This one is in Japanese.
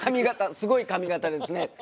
すごい髪形ですねって。